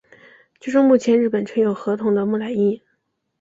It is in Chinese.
据说目前日本存有河童的木乃伊。